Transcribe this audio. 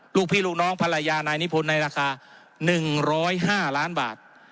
ลูกพี่ลูกน้องภรรยานายนิพนธ์ในราคา๑๐๕ล้านบาท